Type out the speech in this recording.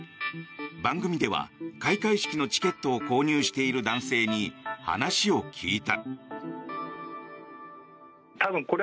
番組では開会式のチケットを購入している男性に話を聞いた。